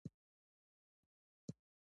د خوب د ګډوډۍ لپاره باید څه مه څښم؟